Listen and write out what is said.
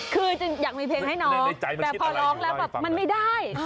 คืออยากมีเพลงให้น้องแต่พอร้องแล้วแบบมันไม่ได้